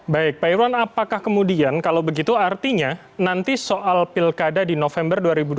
baik pak irwan apakah kemudian kalau begitu artinya nanti soal pilkada di november dua ribu dua puluh